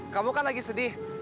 kamu kan lagi sedih